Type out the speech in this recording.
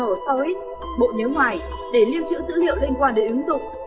personal stories để lưu trữ dữ liệu liên quan đến ứng dụng